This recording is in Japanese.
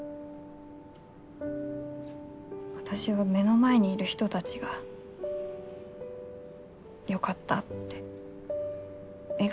私は目の前にいる人たちがよかったって笑顔になるのが見たい。